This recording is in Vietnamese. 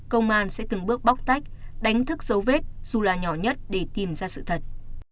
công an sẽ từng bước bóc tách đánh thức dấu vết dù là nhỏ nhất để tìm ra sự thật